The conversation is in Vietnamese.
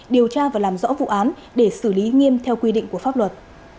điều tra và làm rõ vụ án để xử lý nghiêm theo quy định của pháp luật